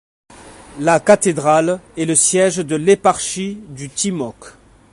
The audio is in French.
La cathédrale est le siège de l'éparchie du Timok.